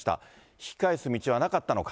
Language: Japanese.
引き返す道はなかったのか。